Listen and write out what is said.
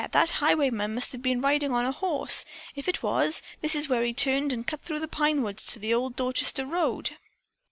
That highwayman must have been riding on a horse. If he was, this is where he turned and cut through the pine woods to the old Dorchester road."